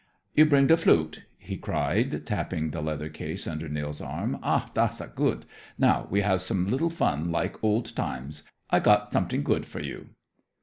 "You bring de flute," he cried, tapping the leather case under Nils' arm. "Ah, das a good! Now we have some liddle fun like old times. I got somet'ing good for you."